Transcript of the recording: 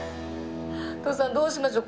徳さんどうしましょう。